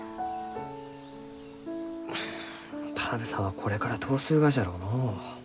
田邊さんはこれからどうするがじゃろうのう？